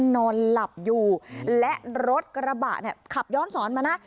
นอนหลับอยู่และรถกระบะเนี่ยขับย้อนสอนมานะ